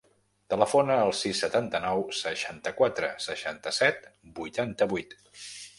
Telefona al sis, setanta-nou, seixanta-quatre, seixanta-set, vuitanta-vuit.